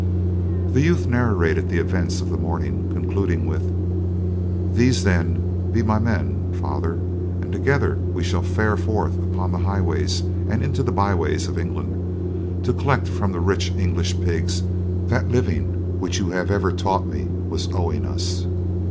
The youth narrated the events of the morning, concluding with, "These, then, be my men, father; and together we shall fare forth upon the highways and into the byways of England, to collect from the rich English pigs that living which you have ever taught me was owing us."